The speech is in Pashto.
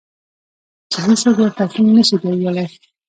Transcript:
چې هېڅوک ورته ټینګ نشي درېدلای.